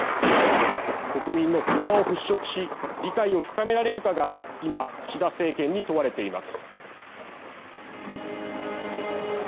国民の不安を払拭し理解を深められるかが今、岸田政権に問われています。